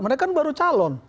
mereka kan baru calon